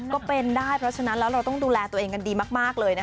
ก็เป็นได้เพราะฉะนั้นแล้วเราต้องดูแลตัวเองกันดีมากเลยนะคะ